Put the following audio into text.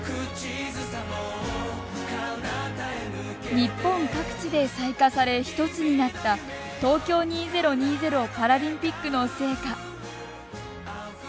日本各地で採火され一つになった東京２０２０パラリンピックの聖火。